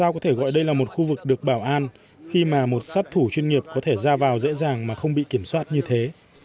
ông có thể gọi đây là một khu vực được bảo an khi mà một sát thủ chuyên nghiệp có thể ra vào dễ dàng mà không bị kiểm soát như thế